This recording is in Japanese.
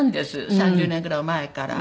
３０年ぐらい前から。